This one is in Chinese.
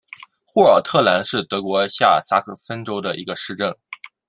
霍尔特兰是德国下萨克森州的一个市镇。